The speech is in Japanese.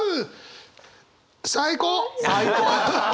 最高！